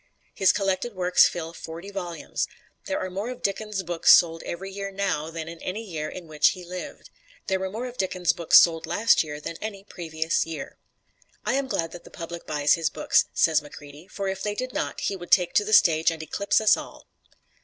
His collected works fill forty volumes. There are more of Dickens' books sold every year now than in any year in which he lived. There were more of Dickens' books sold last year than any previous year. "I am glad that the public buy his books," said Macready; "for if they did not he would take to the stage and eclipse us all."